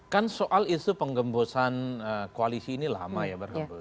kan soal isu penggembosan koalisi ini lama ya